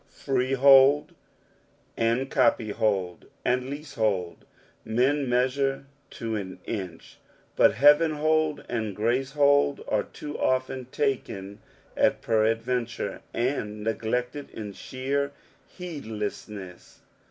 Freehold and copyhold, and leasehold, men measure to an inch, but beavcnhold and gracehold are too often taken at peradventure, and neglected in sheer heedless ness.